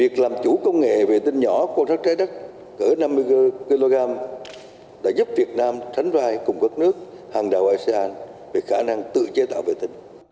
chính phủ đã giúp việt nam thánh vai cùng các nước hàng đảo asean về khả năng tự chế tạo vệ tinh